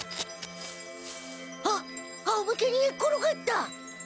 あっあおむけにねっころがった！